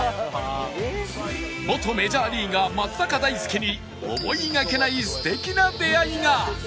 元メジャーリーガー松坂大輔に思いがけない素敵な出会いが